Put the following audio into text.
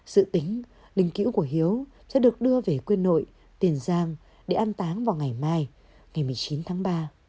sự tính đình cữu của hiếu sẽ được đưa về quê nội tiền giang để ăn táng vào ngày mai ngày một mươi chín tháng ba